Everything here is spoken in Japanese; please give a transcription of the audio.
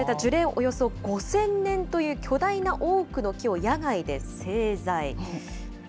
およそ５０００年という巨大なオークの木を野外で製材。